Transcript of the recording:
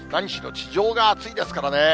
地上があついですからね。